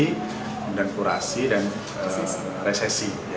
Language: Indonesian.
kemudian kurasi dan resesi